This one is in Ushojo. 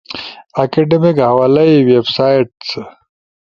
اکیڈیمک حوالئی، ویب سائٹس